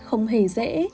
không hề dễ